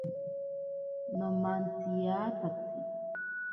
Nomantsiyatatsi.